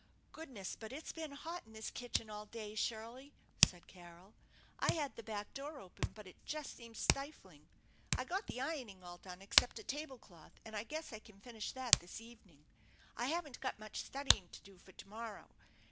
" Goodness ! But it's been hot in this kitchen all day, Shirley/' said Carol. " I had the back door open, but it just seemed stifling. I got the ironing all done except a table cloth, and I guess I can finish that this evening. I haven'fc got much studying to do for to morrow.